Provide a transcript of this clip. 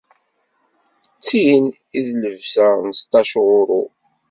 D tin i d llebsa n seṭṭac uṛu.